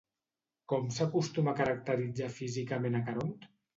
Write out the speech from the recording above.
Com s'acostuma a caracteritzar físicament a Caront?